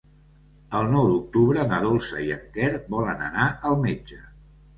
El nou d'octubre na Dolça i en Quer volen anar al metge.